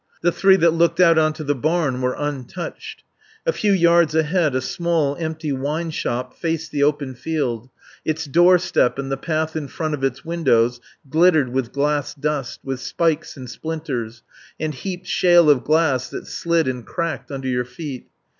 The three that looked out on to the barn were untouched. A few yards ahead a small, empty wine shop faced the open field; its doorstep and the path in front of its windows glittered with glass dust, with spikes and splinters, and heaped shale of glass that slid and cracked under your feet.